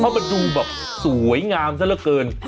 เพราะมันดูแบบสวยงามซะละเกิน